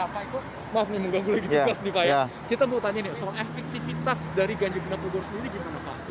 pak eko maaf ini mungkin boleh gitu kita mau tanya nih soal efektivitas dari ganjur binatang bogor sendiri gimana pak